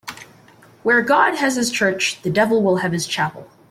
Where God has his church, the devil will have his chapel.